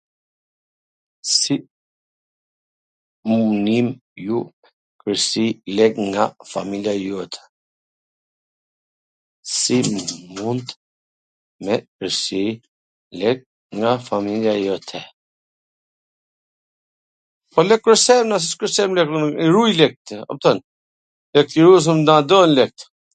Si mundni ju me kursy lek nga familja jote? Po lek kursejm na, si s kursejm lek? I rujm lekt na, kupton, se na duhen lekt.